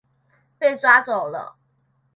被抓走了